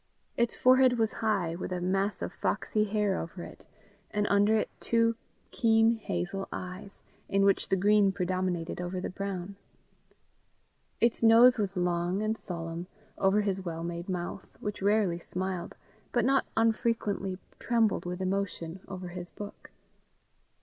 Its forehead was high, with a mass of foxy hair over it, and under it two keen hazel eyes, in which the green predominated over the brown. Its nose was long and solemn, over his well made mouth, which rarely smiled, but not unfrequently trembled with emotion over his book.